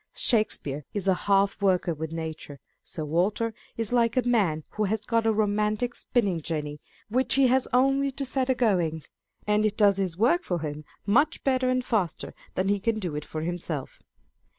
Shakespeare is a half worker with nature. Sir Walter is like a man who has got a romantic spinning jenny, which he has only to Scott, Racine, and Shakespeare. 483 set a going, and it does his work for him much better and faster than he can do it for himself.